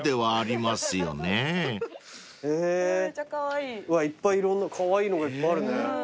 いっぱいいろんなカワイイのがいっぱいあるね。